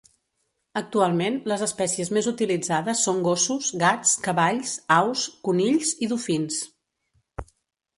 Actualment, les espècies més utilitzades són gossos, gats, cavalls, aus, conills i dofins.